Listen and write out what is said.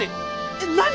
えっ何！？